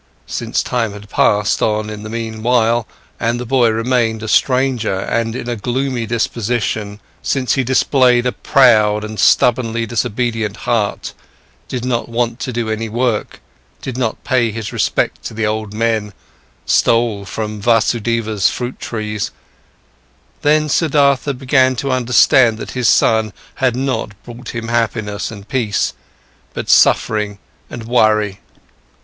Since time had passed on in the meantime, and the boy remained a stranger and in a gloomy disposition, since he displayed a proud and stubbornly disobedient heart, did not want to do any work, did not pay his respect to the old men, stole from Vasudeva's fruit trees, then Siddhartha began to understand that his son had not brought him happiness and peace, but suffering and worry.